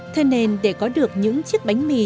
thế nên để có được những chiếc bánh mì